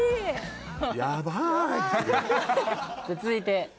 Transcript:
続いて。